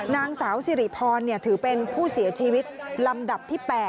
นางสาวสิริพรถือเป็นผู้เสียชีวิตลำดับที่๘